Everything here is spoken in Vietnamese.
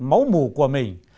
máu mù của mình